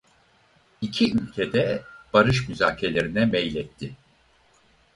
İki ülke de barış müzakerelerine meyletti.